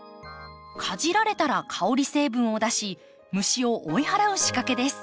かじられたら香り成分を出し虫を追い払う仕掛けです。